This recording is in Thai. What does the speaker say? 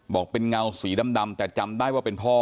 บอกเป็นเงาสีดำแต่จำได้ว่าเป็นพ่อ